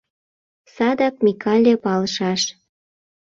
Садак Микале палышаш.